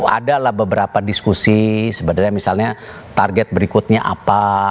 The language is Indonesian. adalah beberapa diskusi sebenarnya misalnya target berikutnya apa